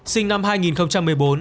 sinh năm hai nghìn một mươi bốn